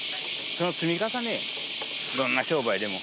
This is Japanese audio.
その積み重ねや、どんな商売でも。